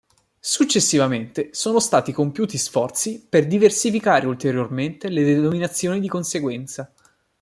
Successivamente sono stati compiuti sforzi per diversificare ulteriormente le denominazioni di conseguenza.